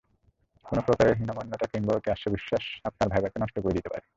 কোনো প্রকারের হীনম্মন্যতা কিংবা অতি আত্মবিশ্বাস আপনার ভাইভাকে নষ্ট করে দিতে পারে।